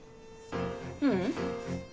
ううん。